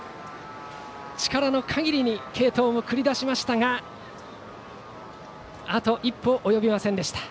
力の限りに継投を繰り出しましたがあと一歩及びませんでした。